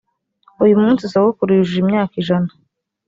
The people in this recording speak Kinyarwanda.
uyu munsi sogokuru yujuje imyaka ijana